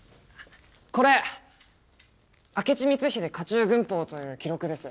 これ「明智光秀家中軍法」という記録です。